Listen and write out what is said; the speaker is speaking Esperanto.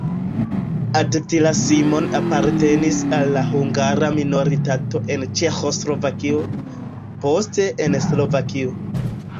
Attila Simon apartenis al la hungara minoritato en Ĉeĥoslovakio, poste en Slovakio.